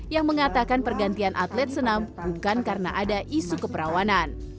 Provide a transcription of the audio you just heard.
yang mengatakan pergantian atlet senam bukan karena ada isu keperawanan